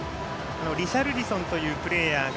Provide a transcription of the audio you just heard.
リシャルリソンというプレーヤーが